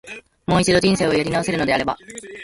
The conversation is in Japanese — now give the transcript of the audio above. もう一度、人生やり直せるのであれば、